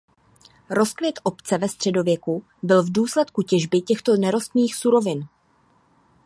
Rozkvět obce ve středověku byl v důsledku těžby těchto nerostných surovin.